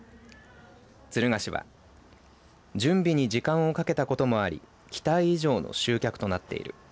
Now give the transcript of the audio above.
敦賀市は準備に時間をかけたこともあり期待以上の集客となっている。